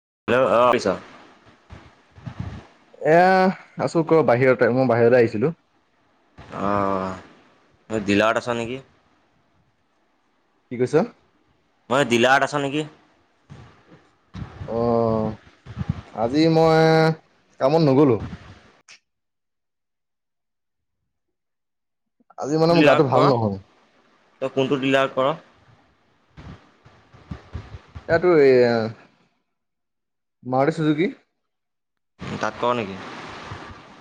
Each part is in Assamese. [inaudible] এয়া আছো ক? বাহিৰতে মই বাহিৰতে আহিছিলো। অ ডিলাৰত আছ নেকি কি কৈছ মই দিলাহত আছ নেকি? অ, আজি মই কামত নগলো। আজি মানে [unintelligible] মোৰ ডিলাৰ গাটো ভাল কৰ নহয় তই কোনটো ডিলাৰত কৰ [unintelligible] এই মাৰুটি চুজুকি কি। তাত কৰ নেকি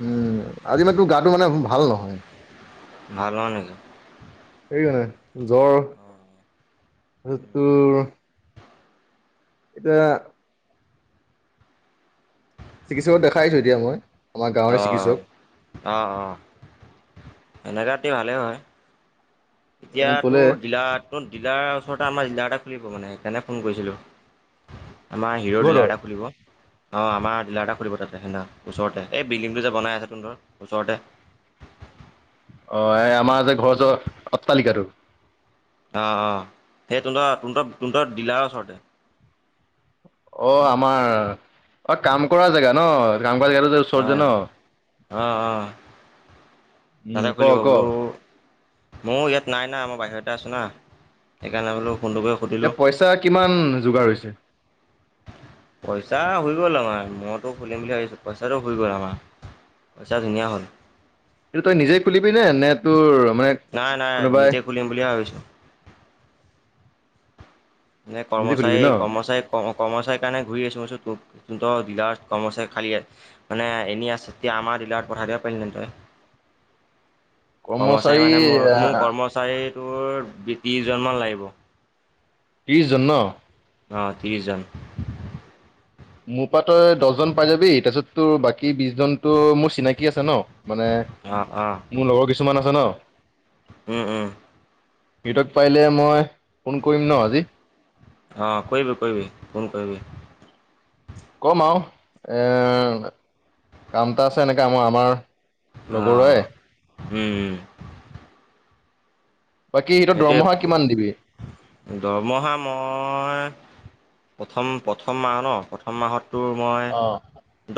উম, আজি মানে তোৰ গাটো মানে ভাল নহয়। ভাল নকি সেই হয় নে জ্বৰ তোৰ এতিয়া চিকিৎসক দেখাইছো এতিয়া মই আমাৰ গাঁৱৰে চিকিৎসক অ-অ-অ এনেুৱ ৰাতি ভালেই হয়। এতিয়া মোক ক'লে তোৰ ডিলাৰত ডিলাৰ ওচৰত আমাৰ ডিলাৰ এটা খুলিব মানে সেইকাৰণে ফোন কৰিছিলো। আমাৰ হিৰ' কিহতৰ ডিলাৰ এটা খুলিব অ, আমাৰ ডিলাৰ এটা খুলিব তাতে সেইদিনা ওচৰতে এই বিল্ডিংটো যে বনাই আছে তোন ধৰ ওচৰতে আহ এই আমাৰ যে ঘৰচ অট্টালিকাটো আহ অ সেই তহ ত তহতৰ দিলাৰ ওচৰতে অ, আমাৰ অ, কাম কৰা জেগা ন কাম কৰা জেগা যে ওচৰত যে ন অ-অ উম তাতে ক খোলিব বোলো ক মোৰ ইয়াত নাই না মই বাহিৰতে আছো না সেইকাৰণে বোলো। ফোনটো কৰি এতিয়া সুধিলোঁ পইচা কিমান যোগাৰ হৈছে পইচা হৈ গ'ল আমাৰ মইতো খুলিম বুলি ভাবিছো পইচাটো হৈ গ'ল আমাৰ পইচা ধুনীয়া হ'ল এই তই নিজে খুলিবি নে নে তোৰ মানে নাই নাই কোনোবাই নিজে খুলিম বুলিয়ে ভাবিছো নে নিজে খুলিবি কৰ্মচাৰী ন কৰ্মচাৰী ক কৰ্মচাৰী কাৰণে ঘূৰি আছো ডিলাৰত কৰ্মচাৰী খালি মানে এনে আছে তেতিয়া আমাৰ ডিলাৰত চাৰা পাই ন তই কৰ্মচাৰী মানে মোৰ মোৰ কৰ্মচাৰীটোৰ বিশ ত্ৰিশজন মান লাগিব ত্ৰিশ জন অ ত্ৰিশ জান মোৰ পৰা তই দহজন পাই যাবি তাৰপিছত তোৰ বাকী বিশজনতো মোৰ চিনাকি আছে ন মানে অঁ মোৰ লগৰ কিছুমান আছে ন উম উম। সিহঁতক পাৰিলে মই। ফোন কৰিম ন আজি অ কৰিবি কৰিবি ফোন কৰিবি। কম আৰু এৰ কাম এটা আছে এনেকা আমাৰ আমাৰ। লগৰৰে আহ উম। বাকী সিহঁতৰ দৰমহা কিমান দিবি সেইটোৱে দৰমহা মই। প্ৰথম প্ৰথম মাহ নহ প্ৰথম মাহত তোৰ মই অ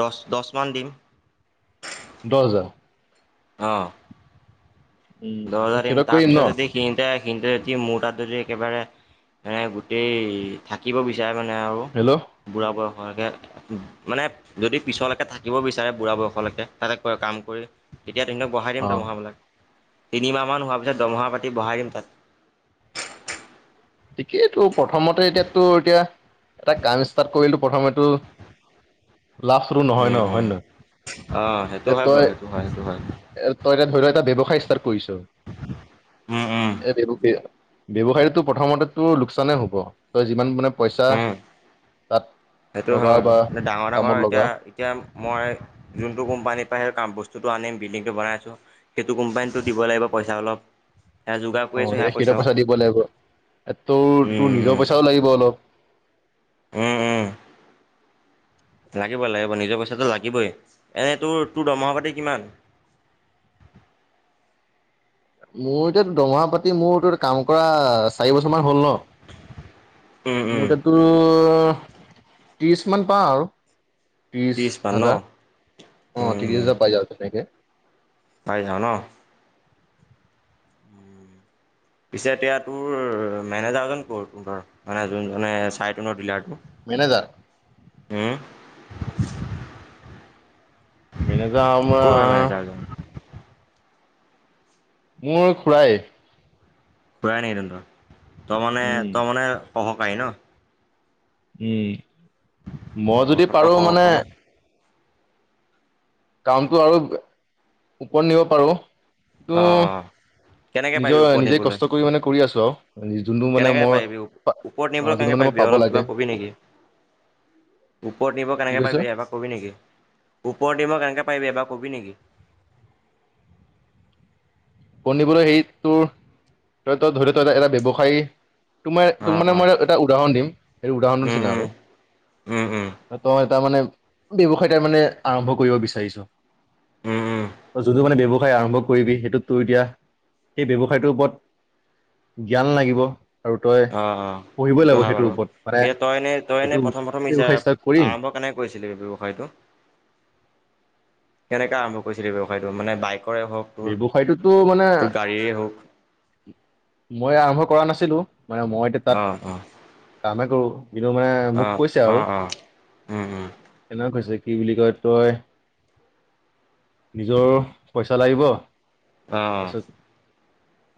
দহ। দহমান দিম দহ হজাৰ আহ উম দহজাৰ দিম সিহঁতক তাৰ কৰিম ন পিছত যদি সিহঁতে মোৰ তাত যদি একেবাৰে মানে গোটেই থাকিব বিচাৰে সেইকাৰণে হেল্ল' আৰু বুঢ়া ব মানে যদি পিছলৈকে থাকিব বিচাৰে বুঢ়া বয়সলৈকে তাতে কয় কাম কৰি ইয়াত বঢ়াই দিম অ দৰমহা বিলাক। তিনিমাহ মান হোৱাৰ পিছত দৰমহা পাতি বঢ়াই দিম তাত। ঠিকেইটো প্ৰথমতে এতিয়াতো এতিয়া এটা কাম ষ্টাৰ্ট কৰিলে প্ৰথমেটো। লাজ চৰম নহয় উম নহ হয় নে উম নহয়। অ সেইটো এ হয় তই বাৰু সেইটো হয় সেইটো হয় এ তই এ ধৰি লোৱা এটা ব্যৱ। সায়ী ষ্টাৰ্ট কৰিছোঁ উম উম [unintelligible] ব্যৱসায়ীটো তোৰ। প্ৰথমেতো লোকচানে হ'ব তই যিমান মানে পইচা উম তাত। সেইটো হয় লগাও আৰু বা ডাঙৰ কামত ডাঙৰ এতিয়া লগাও এতিয়া মই যোনটো কোম্পানীৰ পৰা সেই কাম বস্তুটো। আনিম বিল্ডিংটো বনাই আছোঁ সেইটো কোম্পানীটো দিব লাগিব পইচা অলপ। সেয়া যোগাৰ কৰি অ আছোঁ সেয়া সেইটো পইচাও পইচা দিব লাগিব তোৰ তোৰ নিজৰ উম পইচাও লাগিব অলপ। উম উম। লাগিবই লাগিব নিজৰ পইচাটো লাগিবই এনে তোৰ তোৰ দৰমহা পাতি কিমান। [inaudible] মোৰ এতিয়া দৰমহা পাতি মোৰটো কাম কৰা চাৰি বছৰ মান হ'ল নহ। উম উম মোৰ এতিয়া তোৰ। ত্ৰিশ মান পাওঁ আৰু। ত্ৰিশ ত্ৰিছ মান ন হাজাৰ অ উম ত্ৰিশ উম হাজাৰ পাই যাব তেনেকে। পাই যাওঁ নহ। [inaudible] পিছে এতিয়া তোৰ মেনেজাৰজন ক'ত ধৰ মানে যোনজনে চাই তনৰ ডিলাৰটো। মেনেজাৰ। উম। মেনেজাৰ আমাৰ। ক'ৰ হয় মেনেজাৰজন মোৰ খুৰায়ে। খুৰাই নেকি তহঁতৰ তই মানে উম। তই মানে সহকাৰি নহ। উম মই অ', যদি সত্ৰ পাৰোঁ মানে। সহখন অ', কামটো আৰু ওপৰত নিব পাৰোঁ। অ অ। কেনেকে পাৰিবি ওপৰত নিজে কষ্ট নিবলৈ কৰি মানে কৰি আছো আৰু যোনটো মানে কেনেকে মই পাৰি ওপৰত অ', নিবলৈ যোনটো কেনেকে মানে মই পাৰি। [unintelligible] পাব লাগে অলপকিবা কবি নেকি। [unintelligible] ওপৰত নিব কি কেনেকে কৈছ? পাৰিবি এবাৰ কবি নেকি ওপৰত নিব কেনেকে। কে পাৰিবি এবাৰ কবি নেকি। [unintelligible] সেই তোৰ ধৰি লো তই এটা ব্যৱসায়ী। তোমাৰ তোক অ', মানে অ', মই এটা উদাহৰণ দিম। সেইটো উদাহৰণৰ উম, নিচিনা উম, আৰু উম, উম, তই তাৰমানে। ব্যৱসায়ী তাৰ মানে আৰম্ভ কৰিব বিচাৰিছো উম, উম, যদিও মানে বয়স আৰম্ভ কৰিবি সেইটো তো এতিয়া সেই ব্যৱসায়টোৰ ওপৰত জ্ঞান লাগিব। আৰু তই অ', অ', পঢ়িবই সেইটো লাগিব হা সেইটোৰ বাৰু ওপৰত মানে এয়া তই এনে তই এনে এইটো প্ৰথম প্ৰথম ব্যৱসায় ষ্টাৰ্ট কৰিম আৰম্ভ কেনে কৰিছিলি ব্যৱসায়টো [unintelligible] কেনেকে আৰম্ভ কৰিছিলে ব্যৱসায়টো মানে বাই কৰে হওঁক তোৰ ব্যৱসায়টোতো মানে তোৰ গাড়ীৰে হওঁক। মই আৰম্ভ কৰা নাছিলোঁ মানে মই এতিয়া তাত অ', অ', কামেই কৰোঁ। কিন্তু মানে মোক অ', কৈছে আৰু অ', অ', উম, উম, এনেকে কৈছে। কি বুলি কয় তই নিজৰ পইচা লাগিব। অ', পাছত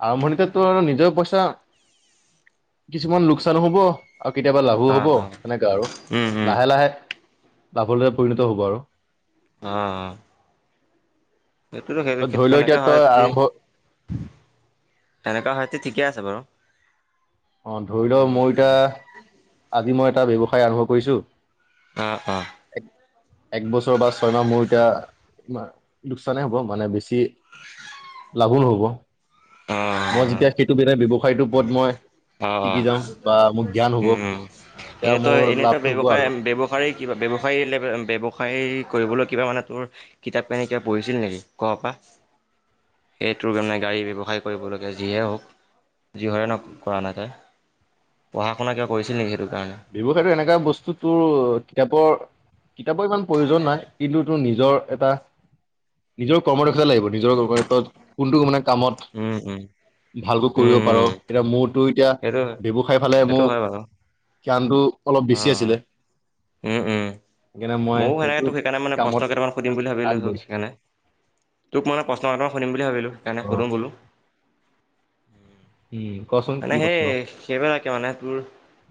আৰম্ভণিতে। তোৰ আৰু নিজৰ পইচা কিছুমান লোকচান হব। আৰু কেতিয়াবা লাভ অ', হব অ', অ', সেনেকা আৰু উম, উম। লাহে লাহে। [unintelligible] পৰিণত হ'ব আৰু অহ, এইটোতো সেই তই ধৰি লও এতিয়া সেনেকা হয় তই যি আৰম্ভ তেনেকুৱা হয়ত ঠিকে আছে বাৰু অ', ধৰি লও উম মোৰ এতিয়া আজি মই এটা ব্যৱসায় আৰম্ভ কৰিছো অ অ একবছৰ বা ছয়মাহ মোৰ এতিয়া লোকচানে হ'ব মানে বেছি লাভো নহ'ব অ মই যেতিয়া সেইটো বেৱ ব্যৱসায়টোৰ ওপৰত মই অ', শিকি অ', যাম বা মোৰ জ্ঞান হ'ব উম তেতিয়া এনেতো মোৰ এনেতো লাভটো হ'ব ব্যৱসায় আৰু ব্যৱসায় কিবা ব্যৱসায়ী ব্যৱসায়িক কৰিবলৈ কিবা মানে তোৰ কিতাপ কিনি কিবা পঢ়িছিল নেকি ক পৰা সেইটোৰ কাৰণে গাড়ী ব্যৱসায় কৰিবলগীয়া যিহে হওক যি হয়ৰে নওক কৰা নাই ত পঢ়া শুনা কিবা কৰিছিল নেকি সেইটো কাৰণে ব্যৱসায়টো এনেকা বস্তু তোৰ কিতাপৰ কিতাপৰ ইমান প্ৰয়োজন নাই কিন্তু তোৰ নিজ নিজৰ এটা নিজৰ কৰ্মদক্ষতা লাগিব নিজৰ কত কোনটো মানে কামত উম উম ভালকৈ কৰিব পাৰো উম এতিয়া মোৰ এতিয়া সেইটো ব্যবসায় ফালে সেইটো মোৰ হয় বাৰু জ্ঞানটো অলপ বেছি আছিলে ওম, ওম সেইকাৰণে মই ময়ো সেনেকে সেইটো তোক সেইকাৰণে মানে কামত প্ৰশ্ন কেইটামান সুধিম বুলি ভাবিলছো আগবাঢ়িছো সেইকাৰণে তোক মই মানে প্ৰশ্ন কাত সুধিম বুলি ভাবিলো সেইকাৰণে অ সুধোম বোলো উম কচোন মানে কি সেই প্ৰশ্ন সেইবিলাকে মানে তোৰ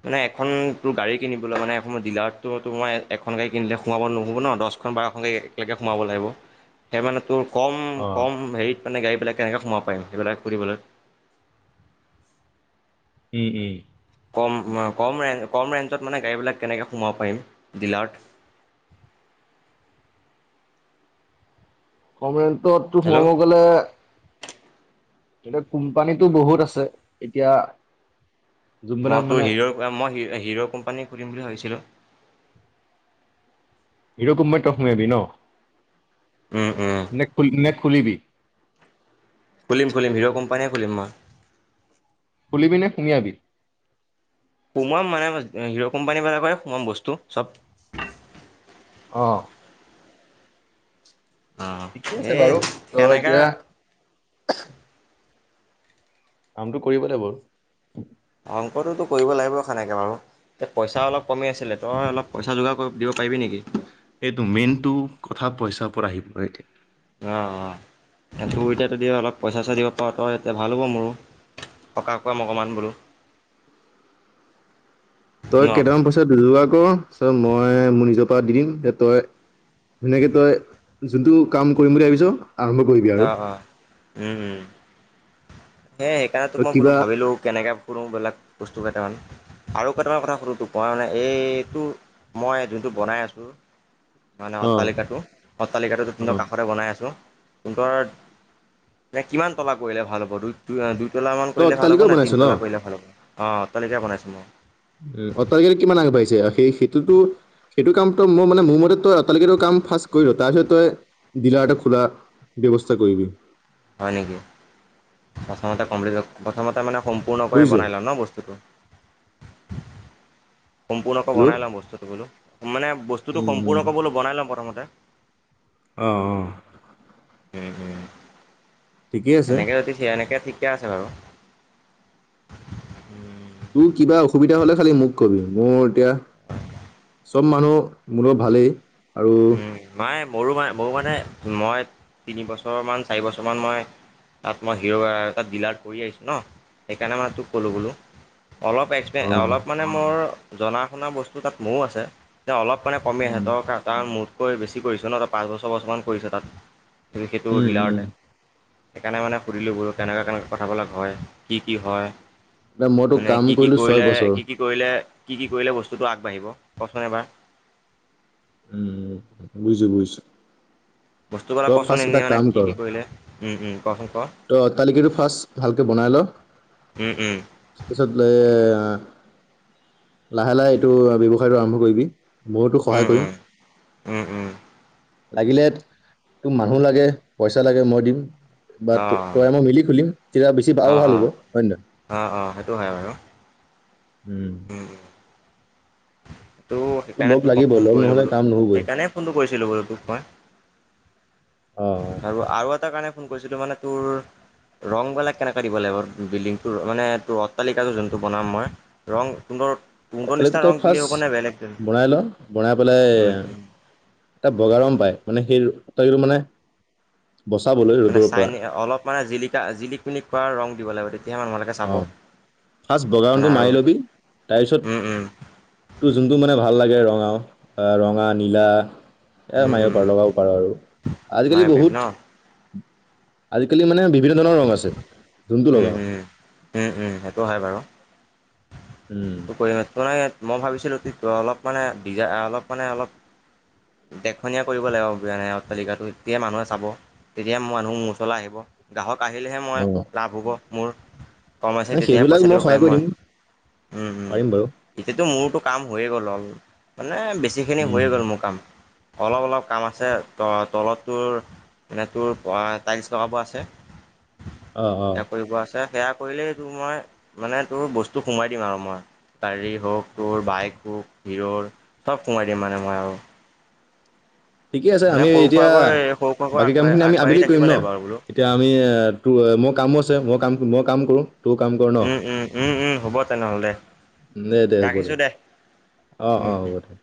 মানে এখন তোৰ গাড়ী কিনিবলৈ মানে ডিলাৰতটোতো মই এখন গাড়ী কিনিলে সোমাব ন'ব ন, দহখন বাৰখন গাড়ী একেলগে সোমাব লাগিব [unintelligible] সেই মানে তোৰ কম, অ কম হেৰিত মানে গাড়ীবিলাক কেনেকৈ সোমাব পাৰিম সেইবিলাক ফুৰিবলৈ উম, উম কম, কম ৰে কম ৰেঞ্জত মানে গাড়ীবিলাক কেনেকৈ সোমাব পাৰিম ডিলাৰ্ট [inaudible] কমটোতো হেল্ল' সোমাব গ'লে এয়া কোম্পানীটো বহুত আছে এতিয়া যোনবিলাক মই তোৰ মানে হিৰ মই হিৰ' কোম্পানী সুধিম বুলি ভাবিছিলো হিৰোৰ কোম্পেনী ত ই সোমোবি ন উম উম নেট নেট খুলিবি খুলিম, খুলিম হিৰ' কোম্পানীয়ে খুলিম মই খুলিবিনে সুমিয়াবি সোমাম মানে হিৰো কোম্পানী বালাক কৰেয় সোমাম বস্তু চব আহ, অ ঠিকে আছে এই বাৰু ত' সেনেকা এতিয়া। কামটো কৰিব লাগিব। অংকটোতো কৰিব লাগিব সেনেকে বাৰু। এ পইচা অলপ কমি আছিলে, তই অলপ পইচা যোগাৰ কৰি দিব পাৰিবি নেকি? এইটো মেইনতটো, কথা পইচাৰ পৰা আহিব এতিয়া। অহ', অহ'। তোৰ এতিয়া যদি অলপ পইচা চইচা দিব পাৰ তই, এতিয়া ভাল হ'ব মোৰো। টকাক খোৱাম অকমান বোলো তই ন কেইটামান পইচা যোগাৰ আকৌ আৰত মই মোৰ নিজৰ পৰা দি দিম যে তই ধুনীয়াকে তই যোনটো কাম কৰিম বুলি ভাবিছ আৰম্ভ কৰিবি আৰু। আহ, অ', উম, উ সেই সেইকাৰণেতো তই মই বোলো কিবা ভাবিলোঁ কেনেকৈ ফুৰোঁ ববিলাক বস্তু কেইটামান আৰু কেইটামান কথা সুধো তোক। মই মানে এইটো মই যোনটো বনাই আছোঁ মানে অ', অট্টালিকাটো, অট্টালিকাটোৰ অ', কাষৰে বনাই আছোঁ। [unintelligible] নে কিমান তলা কৰিলে ভাল হ'ব। দুই দুই দুই তলা মান তই কৰিলে ভাল হ'ব অট্টালিকাও নে, বনাইছ ন? তিনতলা কৰিলে ভাল হ'ব। অহ, অট্টালিকা বনাইছোঁ মই। এই অট্টালিকাটো কিমান আগবাঢ়িছে। সেই সেইটোতো সেইটো কাম তই, মই মানে মোৰ মতে তই অট্টালিকাটোৰ কাম ফাৰ্ষ্ট কৰিল। তাৰপিছত তই ডিলাৰ এটা খোলা ব্যৱস্থা কৰিবি। হয় নেকি? প্ৰথমতে কমপ্লিট হক। প্ৰথমতে মানে সম্পূৰ্ণকৈ বুজিছ বনাই ল'ম ন বস্তুটো। সম্পূৰ্ণকৈ হেল্ল' বনাই লম বস্তুটো বোলো। মানে বস্তুটো উম, সম্পূৰ্ণকে বোলো বনাই লম প্ৰথমতে। অহ', অহ'। উম', উম'। আছে এনেকে যদি ঠিকে, এনেকে ঠিকে আছে বাৰু। উম'। তোৰ কিবা অসুবিধা হ'লে খালি মোক কবি, মোৰ এতিয়া। হয়। চব মানুহ মোৰ লগত ভালেই। আৰু উম নাই মোৰো মানে, মোৰ মানে মই তিনি বছৰ মান চাৰি বছৰ মান মই তাত মই হিৰ এটা ডিলাৰ কৰি আহিছোঁ ন। সেইকাৰণে মানে তোক ক'লো বোলো। অলপ এক্সপে, অ', অলপ মানে মোৰ জনা শুনা বস্তু তাত মোৰো আছে। যে অলপ কাৰণে কমি উম, সিহঁতৰ তাৰ মোতকৈ বেছি কৰিছোঁ ন। তাত পাঁচ বছৰ বছৰমান কৰিছে তাত। এ সিইটো উম, উম, ডিলাৰটে। সেইকাৰণে মানে সুধিলোঁ। বাৰু কেনেকুৱৈ কেনেকৈ কথাবিলাক হয়, কি কি হয়। এতিয়া মই তোক মানে কাম কি কি কৰিলো ছয় কৰিলে, বছৰ কি কি কৰিলে কি কি কৰিলে বস্তুটো আগবাঢ়িব কোৱাচোন এবাৰ? উম' বুজিছোঁ বুজিছোঁ। বস্তুবিলাক কোৱাচোন, এনেই মানে কি কি কৰিলে উম, উম, কোৱাচোন কোৱা। ত' অট্টালিকাটো ফাৰ্ষ্ট ভালকৈ বনাই ল। উম উম তাৰপিছত বোলে লাহে লাহে এইটো, ব্যৱসায়টো আৰম্ভ কৰিবি। মইয়োতো সহায় উম কৰিম্শ। উম উম উম লাগিলে তোক মানুহ লাগে, পইচা লাগে, মই দিম। বা অঁ তই মই মিলি খুলিম। তেতিয়া বেছি বা, আৰু অঁ ভাল হ'ব। অঁ হয় নে নহয়? অঁ অঁ সেইটো হয় বাৰু উম। তো তোৰ সেইকাৰণে লগ তোক মই লাগিবই ফোন লগ কৰিলোঁ নহ'লে বোলো। কাম নহ'বই সেইকাৰণে ফোনটো কৰিছিলোঁ বোলো তোক মই। অ আৰু আৰু এটা কাৰণে ফোন কৰিছিলোঁ। মানে তোৰ ৰংবিলাক কেনেকে দিব লাগিব বিল্ডিংটোৰ, মানে তোৰ অট্টালিকাটো যোনটো বনাম মই। ৰং তহন্তৰ অথনিতো নিচিনা ৰং তই দিলে ফাৰ্ষ্ট হ'ব। নে বেলেগ দিম? বনাই লওঁ। বনাই পেলাই, উম, উম। এটা বগা ৰং পায়। মানে সেই তাইৰো মানে। বচাবলৈ মানে ৰ'দৰ চাইন, পৰা অলপ মানে জিলিকা, জিলিক-মিলিক কৰা ৰং দিব লাগিব, তেতিয়াহে মানুহবিলাকে অ চাব। ফাৰ্ষ্ট বগা মানে ৰংটো আৰু মাৰি লবি। তাৰপিছত তোৰ যোনটো মানে ভাল লাগে ৰঙাও ৰঙা নীলা। এ মাৰিব পাৰো লগাব পাৰো আৰু আজিকালি ময়ে পাৰিম ন বহুত আজিকালি মানে বিভিন্ন ধৰণৰ ৰং আছে, যোনটো উম, লগাৱ। উম। উম, উম সেইটো হয় বাৰু। উম, ত কৰি ত ন মই ভাবিছিলো অলপ মানে ডিজ অলপ মানে অলপ দেখনীয়া কৰিব লাগিব। যেনে অট্টালিকাটো তেতিয়া মানুহে চাব। তেতিয়া মানুহ মোৰ ওচৰলৈ আহিব। গ্ৰাহক আহিলেহেঁ মই অ লাভ হ'ব মোৰ। কম আছে, নাই তেতিয়াহে সেইবিলাক পইচা দিব সহায় পাৰিম কৰি মই। দিম উম', উম'। পাৰিম বাৰু তেতিয়াটো মোৰতো কাম হৈয়ে গ'ল আৰু। মানে বেছিখিনি হৈয়ে উম, গ'ল মোৰ কাম। অলপ অলপ কাম আছে ত তলতোৰ মানে তোৰ টাইলছ লগাব আছে। অ অ সেয়া কৰিব আছে। সেয়া কৰিলেই তোৰ মই মানে তোৰ বস্তু সোমাই দিম আৰু মই। গাড়ী হওঁক তোৰ বাইক হওঁক। হিৰৰ চব কোমাই দিম মানে মই আৰু। ঠিকে আছে মানে আমি সৰু এতিয়া সুৰাকৈ সৰু সুৰাকৈ বাকী আগবাঢ়ি কামখিনি আমি আগবাঢ়ি আবেলি থাকিব কৰিম ন। লাগিব আৰু বোলো এতিয়া আমি ত মোৰ কামো আছে মই কাম মই কাম কৰো। উম, উম, উম, উম হ'ব তেনেহ'লে ন দে দে হ'ব ৰাখিছো দে। অ', উম অ' হ'ব দে।